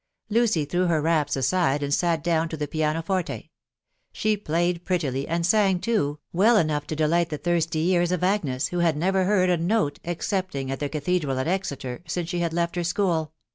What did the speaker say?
Lucy threw her wraps aside and aat down to the piano farte : she played prettily, and sang, too, well enough to delight the thirsty ears of Agnes, who had never heard a note, excepting at the cathedral at Exeter, since she had left her school.